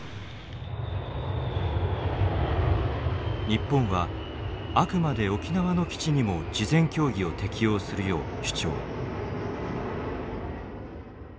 日本はあくまで沖縄の基地にも事前協議を適用するよう主張。